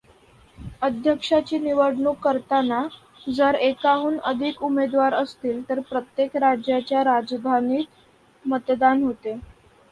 अध्यक्षाची निवडणूक करताना जर एकाहून अधिक उमेदवार असतील तर प्रत्येक राज्याच्या राजधानीत मतदान होते.